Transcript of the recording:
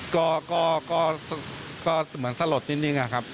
ก็เหมือนสลดนิดครับ